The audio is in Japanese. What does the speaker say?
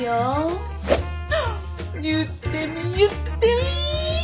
言ってみ言ってみ！